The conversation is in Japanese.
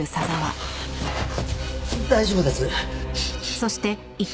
大丈夫です。